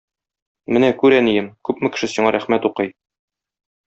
Менә күр, әнием, күпме кеше сиңа рәхмәт укый!